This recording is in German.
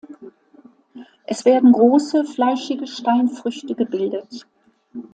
Es werden große, fleischige Steinfrüchte gebildet.